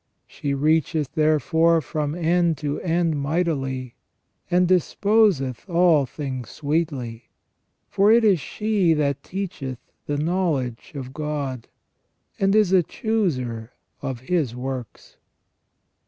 ... She reacheth therefore from end to end mightily, and disposeth all things sweetly. ... For it is she that teacheth the knowledge of God, and is a chooser of His works."